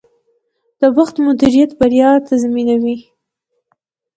د وخت مدیریت بریا تضمینوي.